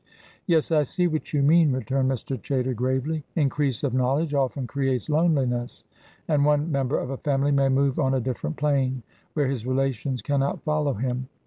"Yes, I see what you mean," returned Mr. Chaytor, gravely. "Increase of knowledge often creates loneliness, and one member of a family may move on a different plane, where his relations cannot follow him.